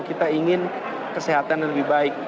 kita ingin kesehatan yang lebih baik